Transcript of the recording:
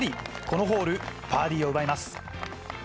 このホール、バーディーを奪います。